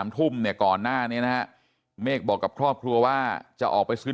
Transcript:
ทุ่มเนี่ยก่อนหน้านี้นะฮะเมฆบอกกับครอบครัวว่าจะออกไปซื้อ